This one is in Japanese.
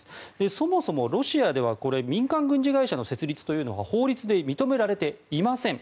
そもそもロシアでは民間軍事会社の設立というのが法律で認められていません。